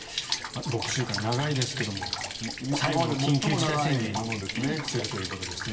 ６週間、長いですけど最後の緊急事態宣言にするということですね。